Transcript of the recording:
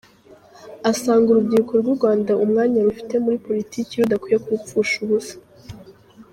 Asanga urubyiruko rw’u Rwanda umwanya rufite muri politiki rudakwiye kuwupfusha ubusa.